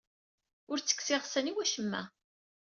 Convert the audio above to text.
Ur ttekkseɣ iɣsan i wacemma.